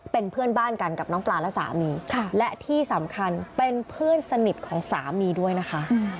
เป็นเพื่อนบ้านกันกับน้องปลาและสามีและที่สำคัญเป็นเพื่อนสนิทของสามีด้วยนะคะ